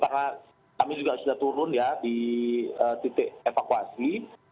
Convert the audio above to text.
karena kami juga sudah turun ya di titik evakuasi